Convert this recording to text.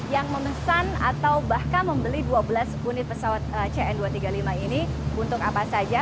yang memesan atau bahkan membeli dua belas unit pesawat cn dua ratus tiga puluh lima ini untuk apa saja